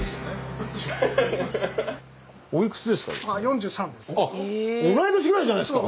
おいくつですか？